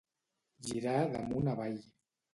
Girar d'amunt avall.